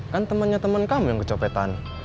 kan temannya teman kamu yang kecopetan